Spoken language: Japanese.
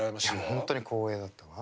本当に光栄だったわ。